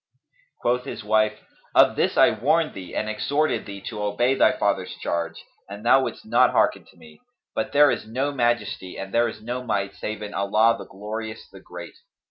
Quoth his wife, "Of this I warned thee and exhorted thee to obey thy father's charge, and thou wouldst not hearken to me; but there is no Majesty and there is no Might, save in Allah, the Glorious, the Great!